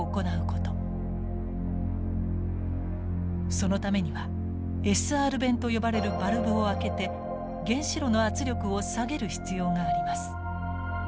そのためにはＳＲ弁と呼ばれるバルブを開けて原子炉の圧力を下げる必要があります。